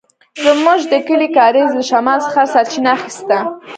زموږ د کلي کاریز له شمال څخه سرچينه اخيسته.